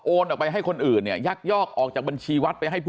ออกไปให้คนอื่นเนี่ยยักยอกออกจากบัญชีวัดไปให้ผู้